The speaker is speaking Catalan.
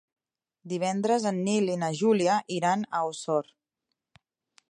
Divendres en Nil i na Júlia iran a Osor.